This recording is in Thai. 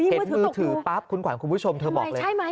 เห็นมือถือปั๊บคุณขวัญคุณผู้ชมเธอบอกเลย